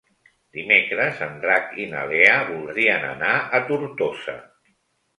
Dimecres en Drac i na Lea voldrien anar a Tortosa.